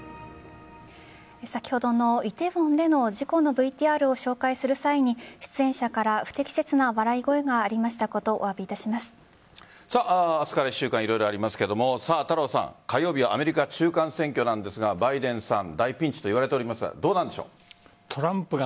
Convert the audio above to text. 先ほどの梨泰院での事故のＶＴＲを紹介する際に出演者から、不適切な笑い声がありましたことを明日から１週間色々ありますが太郎さん、火曜日はアメリカ中間選挙なんですがバイデンさん大ピンチと言われていますがどうなんでしょう？